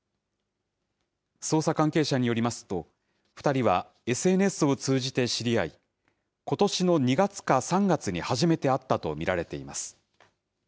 捜査関係者によりますと、２人はＳＮＳを通じて知り合い、ことしの２月か３月に初めて会ったと見られています。